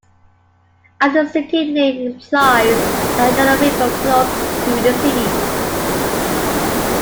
As the city name implies, the Agano River flows through the city.